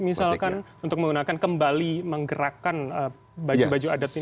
misalkan untuk menggunakan kembali menggerakkan baju baju adat ini